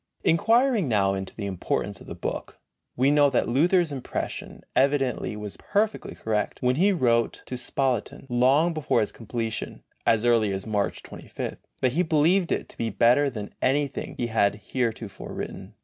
Inquiring now into the importance of the book, we note that Luther's impression evidently was perfectly correct, when he wrote to Spalatin, long before its completion as early as March 2 5. that he believed it to be better than anything he had heretofore written.